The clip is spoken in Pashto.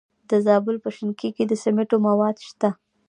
د زابل په شنکۍ کې د سمنټو مواد شته.